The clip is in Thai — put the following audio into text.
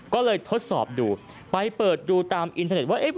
ก็เลยทดสอบดูไปเปิดดูตามอินเทอร์เน็ตว่า